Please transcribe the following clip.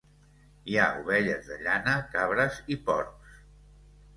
Hi ha ovelles de llana, cabres i porcs.